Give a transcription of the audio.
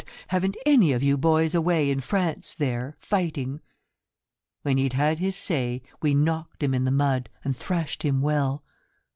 haven't any of you boys away In France there, fighting ?' When he'd had his say We knocked him in the mud and thrashed him well.